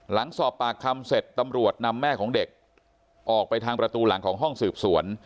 หลังสอบปากคำเสร็จตำรวจนำแม่ของเด็กออกไปทางประตูหลังของห้องสืบสวน